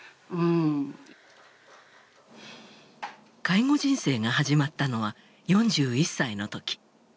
介護人生が始まったのは４１歳の時。